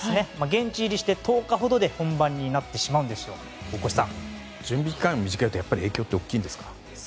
現地入りして１０日ほどで本番になってしまうんです準備時間が短いと影響って大きいんですか？